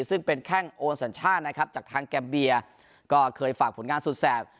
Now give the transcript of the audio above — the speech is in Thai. ซึ่งเป็นแข้งโอนสัญชาตินะครับจากทางแกมเบียก็เคยฝากผลงานสุดแสบ